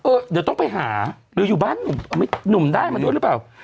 เออเดี๋ยวต้องไปหาหรืออยู่บ้านหนุ่มได้มาด้วยหรือเปล่า